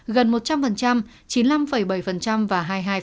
gần một trăm linh chín mươi năm bảy và hai mươi hai